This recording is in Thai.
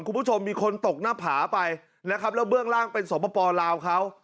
คุณผู้ชมมีคนตกหน้าผาไปนะครับแล้วเบื้องล่างเป็นสปลาวเขา